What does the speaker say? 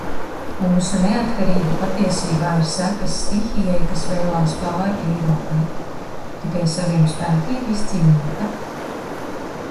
Mūsu neatkarība patiesībā ir sekas stihijai, kas vēlās pāri Eiropai. Tikai saviem spēkiem izcīnīta?